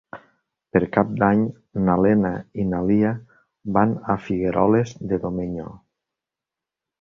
Per Cap d'Any na Lena i na Lia van a Figueroles de Domenyo.